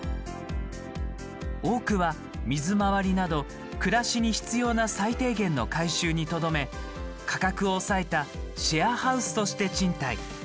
多くは水回りなど暮らしに必要な最低限の改修にとどめ価格を抑えたシェアハウスとして賃貸。